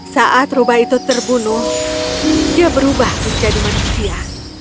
saat rubah itu terbunuh dia berubah menjadi manusia